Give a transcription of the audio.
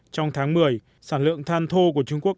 trong tháng một mươi sản lượng than thô của trung quốc